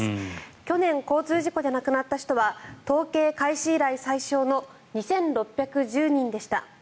去年、交通事故で亡くなった人は統計開始以来最少の２６１０人でした。